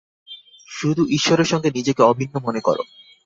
শুধু ঈশ্বরের সঙ্গে নিজেকে অভিন্ন মনে কর।